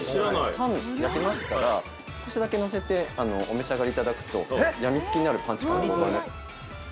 タン焼きましたら、少しだけ乗せてお召し上がりいただくと、やみつきになるパンチ感がございます。